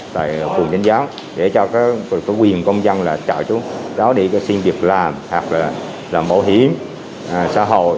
tại phường chính gián để cho quyền công dân là cháu đi xin việc làm hoặc là mẫu hiểm xã hội